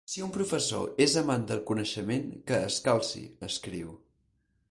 Si un professor és amant del coneixement, que es calci, escriu.